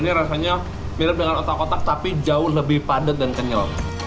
ini rasanya mirip dengan otak otak tapi jauh lebih padat dan kenyal